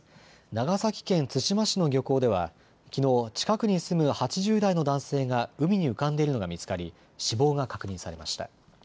長崎県対馬市の漁港ではきのう、近くに住む８０代の男性が海に浮かんでいるのが見つかり死亡が確認されました。